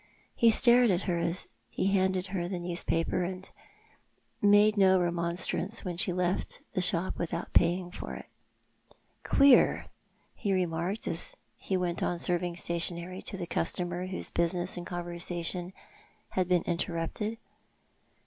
He stared at her as he handed her the newspaper, and made no remonstrance when she left the shop without paying for it. " Queer," he remarked, as he went on serving stationery to the customer whose business and conversation had been inter rupted.